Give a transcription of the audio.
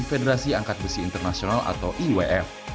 federasi angkat besi internasional atau iwf